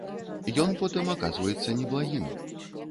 Ён потым аказваецца неблагім.